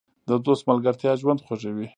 د دوست ملګرتیا ژوند خوږوي.